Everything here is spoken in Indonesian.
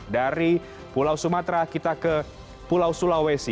dari pulau sumatera kita ke pulau sulawesi